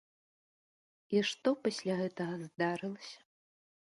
І што пасля гэтага здарылася?